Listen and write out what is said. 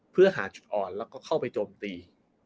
เพื่อหาจุดอ่อนแล้วก็เข้าไปโจมตี